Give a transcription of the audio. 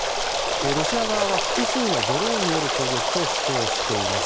ロシア側が複数のドローンによる攻撃と主張しています。